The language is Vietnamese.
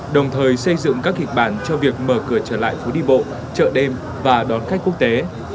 đồng thời xây dựng các kịch bản cho việc mở cửa trở lại phố đi bộ chợ đêm và đón khách quốc tế